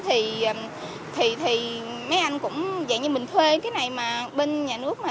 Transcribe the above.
thì mấy anh cũng dạy như mình thuê cái này mà bên nhà nước mà